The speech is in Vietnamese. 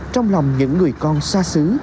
trong lòng những người con xa xứ